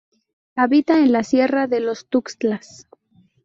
Habita en la sierra de los Tuxtlas.